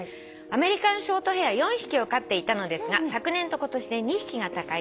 「アメリカンショートヘア４匹を飼っていたのですが昨年と今年で２匹が他界。